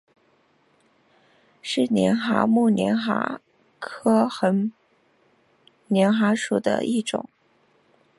是帘蛤目帘蛤科横帘蛤属的一种。